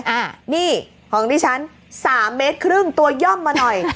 อ่านี่ดิฉัน๓๕เมตรตัวย่อมมาหน่อย